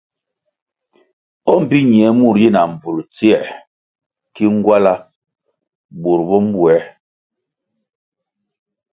O mbpi ñie mur yi na mbvulʼ tsiē ki ngwala burʼ bo mbwē.